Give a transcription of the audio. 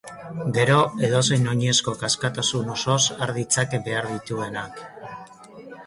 Gero, edozein oinezkok askatasun osoz har ditzake behar dituenak.